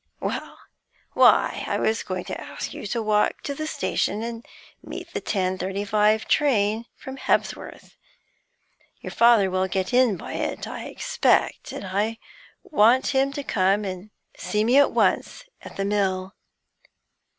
'Why, I was going to ask you to walk to the station and meet the ten thirty five train from Hebsworth. Your father will get in by it, I expect, and I want him to come and see me at once at the mill.'